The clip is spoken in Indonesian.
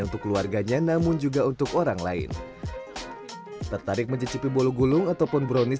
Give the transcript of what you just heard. untuk keluarganya namun juga untuk orang lain tertarik mencicipi bolu gulung ataupun brownies